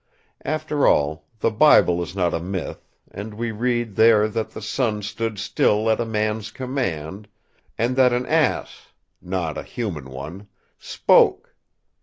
After all, the Bible is not a myth; and we read there that the sun stood still at a man's command, and that an ass—not a human one—spoke.